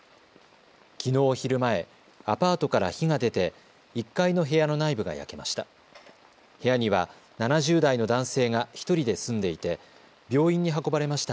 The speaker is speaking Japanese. きのう昼前、アパートから火が出て１階の部屋の内部が焼けました。